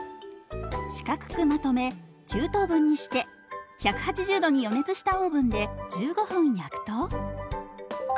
四角くまとめ９等分にして１８０度に予熱したオーブンで１５分焼くと。